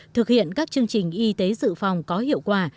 thực hiện các chương trình y tế dự phòng có hiệu quả